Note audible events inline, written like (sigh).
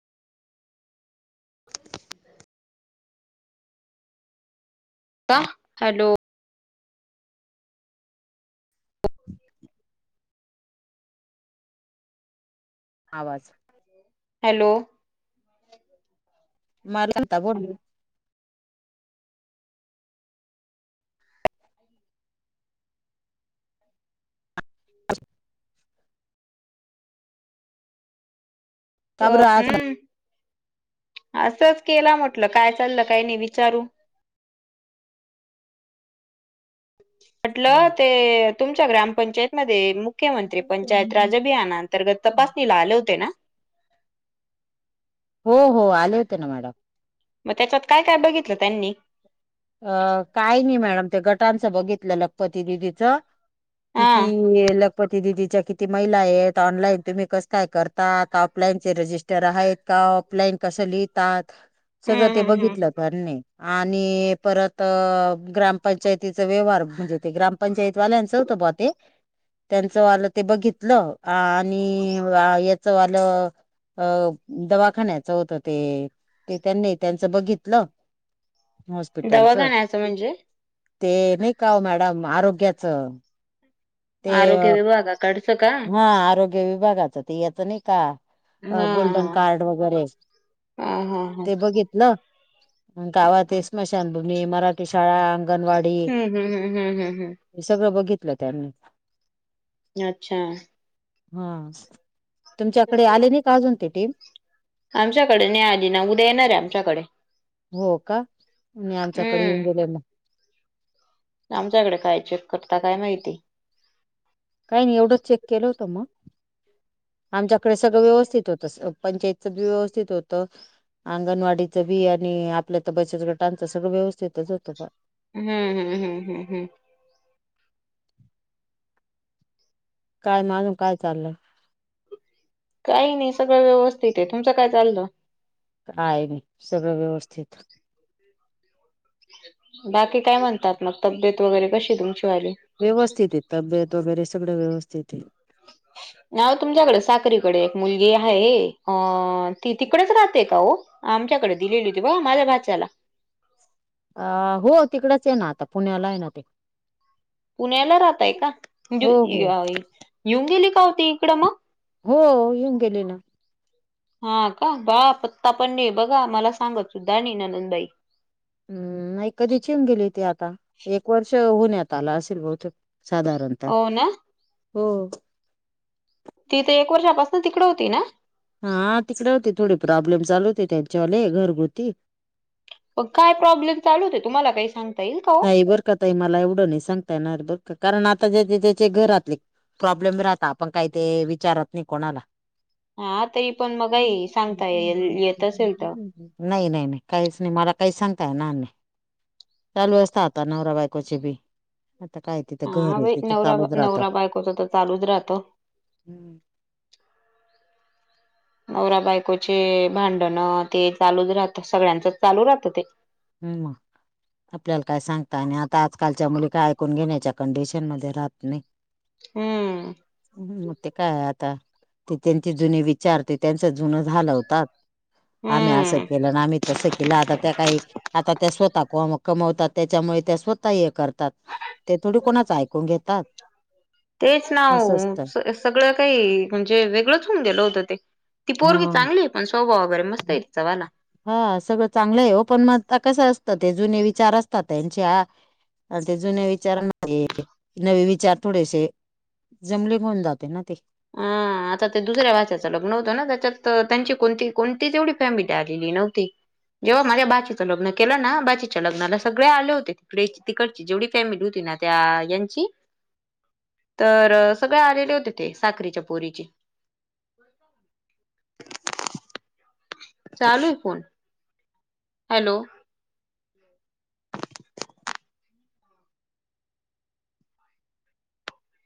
का हॅलो. आवाज हॅलो मरंत बड (unintelligible) ह (inaudible) हो का बरं आज हम् असंच केला म्हटलं काय चाललं काही नाही विचारू ह (inaudible) म्हटल ते तुमच्या ग्रामपंचायत मध्ये मुख्यमंत्री पंचायत राज अभियाना अंतर्गत तपास नीला आले होते ना हो हो आले होते ना मॅडम. मग त्याच्यात काय काय बघितलं त्यांनी. अ काही नाही मॅडम ते गटांचं बघितलं लखपती दिदीचं. हा किती ल पती दिदीच्या किती महिला आहेत. ऑनलाईन तुम्ही कस काय करताात. ऑफलाईन चे रजिस्टर आहेत का? क ऑफलाईन कसं लिहतात सगळ हम्म ते हम्म बघीतलं हम्म पण आणी परत ग्रामपंचायतीचा व्यवहार म्हणजे ते ग्रामपंचायती वाल्यांचं होत पहा ते त्यांचं वालं ते बघितलं आणि याच वालं अ दवाखान्याच होत ते ते त्यांनी त्यांचं बघितलं. हॉस्पिटलचं दवाखान्याच म्हणजे ते नाही. का हो, मॅडम आरोग्याच ते आरोग्य विभागाकडचं का हा आरोग्य विभागाचं ते याचं नाही का, अ हा गोल्डन कार्ड वगैरे हा हा हा ते बघितल अ कावा ते स्मशानभूमनी मराठी शाळा अंगनवाडी हम्म हम्म हम्म हम्म हम्म हम्म हे सगळं बघितलं त्यांनी अच्छा हा तुमच्याकडे आले नाही का अजून ते टीम आमच्याकडे न्यायाधीन उद्या येणार आहे आमच्याकडे हो काी आमच्याकडे येऊन हम्म गेले ना आमच्याकडे काय चेक करता काय माहिती काही नाही एवढंच चेक केलं होतं मग आमच्याकडे सगळं व्यवस्थित होत पंचायतच व्यवस्थित होत अंगणवाडीचं बी आणि आपल्या तर बचत गटांचं सगळं व्यवस्थितच होतो पण हम्म हम्म हम्म हम्म हम्म काय म आझून काय चाललंय काही नाही सगळं व्यवस्थित आहे तुमचं काय चाललं काय नाही सगळं व्यवस्थित बाकी काय म्हणतात मग तब्येत वगैरे कशी तुमची वाली व्यवस्थित आहे तब्येत वगैरे सगळं व्यवस्थित आहे ह ना तुमच्याकडे साकरीकडे एक मुलगी आहे अ ती तिकडेच राहते का हो आमच्याकडे दिलेली होती ब माझ्या भाात्याला अ हो तिकडच आहे ना आता पुण्याला आहे ना ते पुण्याला राहताय का हो हो येिऊन गेली का होती इकडं मग हो येऊन गेले ना हा का बा पत्ता पणणे बघा मला सांगत सुद्धा आणि ननंदबाई हम्म नाही कधी चिन गेली ती आता एक वर्ष होन आला असेल बहथ साधारणत हो ना हो ती तर एक वर्षापासून तिकडं होती ना हा तिकडे होते थोडी प्रॉब्लेम चालू होते त्यांच्यावाले घरगुती ग काय प्रॉब्लेम चालू हो तुमला काही सांग नाही बर का ताई मला एवढं नाही सांगता येणार बर का कारण आता ज त्याचे घरातले प्रॉब्लेम राहता आपण काही ते विचारत नाही कोणाला हा तरी पण मग काही सांगता येईल येत असेल तर नाही नाही नाही काहीच नाही मला काही सांगताय ना आम्ही चालू असत आता नवरा बायकोची बी आता काय तिथं हा घर आहे बाई तिथं नवरा चालूच राहतं. नवरा बायकोच तर चालूच राहतो हम्म नवरा बायकोचे भांडण ते चालूच राहत सगळ्यांचच चालू राहतं ते हम आपल्याला काय सांगता आणि आता आजकालच्या मुलीका ऐकून घेण्याच्या कंडिशन मध्ये राहत नाही हम्म ह् मग ते काय आता ते त्यांचे जुने विचारते त्यांच जुन झालं होतात आम्ही असं हम्म केलं आम्ही तसं केलं आता त्या काही आता त्या स्वतः कमवतात त्याच्यामुळे त्या स्वतः हे करतात ते थोडी कोणाच ऐकून घेतात तेच नाव असं असतं सगळं काही म्हणजे वेगळंच होऊन गेलं होतं ते ती ह पोरगी चांगली पण स्वभाव वगैरे मस्त आहे ति चंवाला हा सगळं चांगलं आहे हो पण मग असतं ते जुने विचार असतात त्यांच्या असे जुने विचार ते नवे विचार थोडेसे जमले होऊन जाते ना ते आ आता ते दुसऱ्या भाष्याचं लग्न होतं ना त्याच्यात त्यांची कोणती कोणतीच एवढी फॅमिली आलेली नव्हती. जेव्हा माझ्या बाचीचं लग्न केलं ना बाचीच्या लग्नाला सगळे आले होते तिकडेची तिकडची जेवढी फॅमिली होती त्या यांची तर सगळे आलेले होते ते. साखरीच्या पोरीची. चालूय फोन. हॅलो.